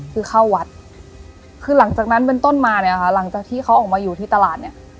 คือเข้าวัดคือหลังจากนั้นเป็นต้นมาเนี่ยค่ะหลังจากที่เขาออกมาอยู่ที่ตลาดเนี่ย